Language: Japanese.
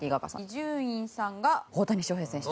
伊集院さんが大谷翔平選手。